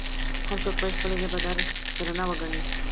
هر څوک باید خپله ژبه درنه وګڼي.